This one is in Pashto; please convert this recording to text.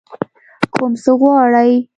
کوم څه غواړئ؟